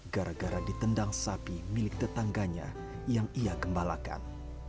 gara gara ditendang sapi milik tetangganya yang ia gembalakan